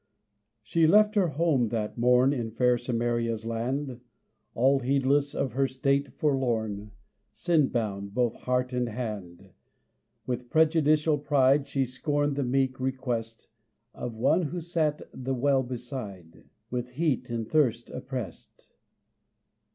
She left her home that morn In fair Samaria's land, All heedless of her state forlorn, Sin bound, both heart and hand. With prejudicial pride She scorned the meek request Of One who sat the well beside, With heat and thirst opprest.